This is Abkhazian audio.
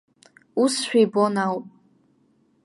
Усшәа ибон ауп.